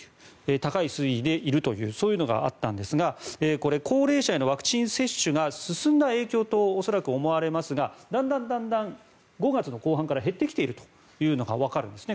高い推移でいるというそういうのがあったんですがこれは高齢者のへのワクチン接種が進んだ影響と思われますがだんだん５月後半から減ってきているのがわかるんですね。